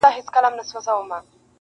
هسي نه چي زه در پسې ټولي توبې ماتي کړم,